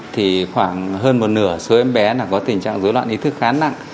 thì khoảng hơn một nửa số em bé có tình trạng dối loạn ý thức khá nặng